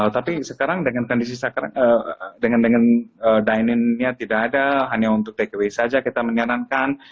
tapi sekarang dengan kondisi sekarang dengan dini nya tidak ada hanya untuk take away saja kita menyarankan